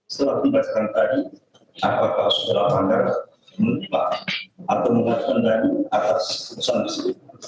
setelah dibahas tadi apakah sudah langgar menutup atau menghentari atas pesan disitu